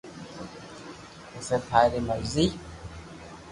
پسي ٿاري مرزي